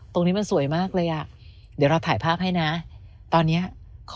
ตรงนี้มันสวยมากเลยอ่ะเดี๋ยวเราถ่ายภาพให้นะตอนเนี้ยขอ